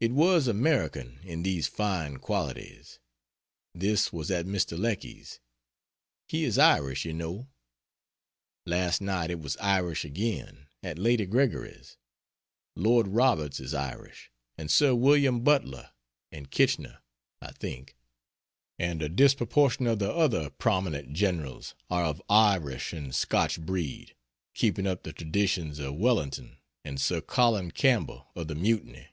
It was American in these fine qualities. This was at Mr. Lecky's. He is Irish, you know. Last night it was Irish again, at Lady Gregory's. Lord Roberts is Irish; and Sir William Butler; and Kitchener, I think; and a disproportion of the other prominent Generals are of Irish and Scotch breed keeping up the traditions of Wellington, and Sir Colin Campbell of the Mutiny.